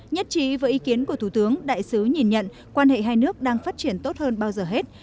nhất trí với ý kiến của thủ tướng đại sứ nhìn nhận quan hệ hai nước đang phát triển tốt hơn bao giờ hết